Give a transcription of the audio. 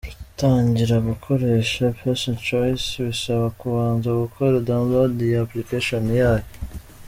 Gutangira gukoresha PesaChoice, bisaba kubanza gukora download ya Application yayo.